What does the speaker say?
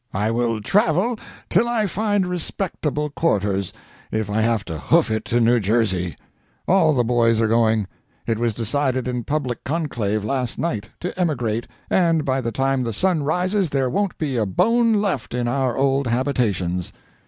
I will travel till I find respectable quarters, if I have to hoof it to New Jersey. All the boys are going. It was decided in public conclave, last night, to emigrate, and by the time the sun rises there won't be a bone left in our old habitations.